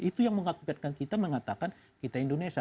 itu yang mengakibatkan kita mengatakan kita indonesia